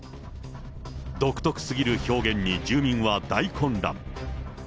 独特すぎる表現に、住民は大混乱。